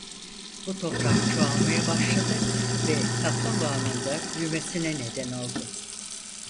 Bu toprak çoğalmaya başladı ve kaplumbağanın da büyümesine neden oldu.